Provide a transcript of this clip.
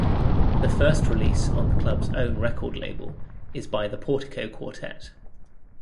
The first release on the club's own record label is by the Portico Quartet.